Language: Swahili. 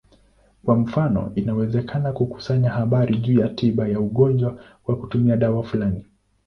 Kwa mfano, inawezekana kukusanya habari juu ya tiba ya ugonjwa kwa kutumia dawa fulani.